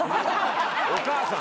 お母さん。